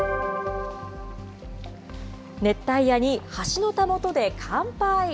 熱帯夜に橋のたもとで乾杯。